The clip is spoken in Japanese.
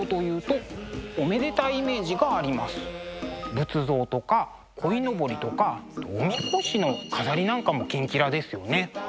仏像とかこいのぼりとかおみこしの飾りなんかもキンキラですよね。